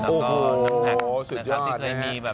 แล้วก็น้ำแพ็คที่เคยมีแบบ